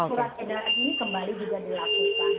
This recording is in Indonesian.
surat edaran ini kembali juga dilakukan